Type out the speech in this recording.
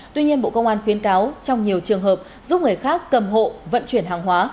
tuy nhiên bộ công an khuyến cáo trong nhiều trường hợp giúp người khác cầm hộ vận chuyển hàng hóa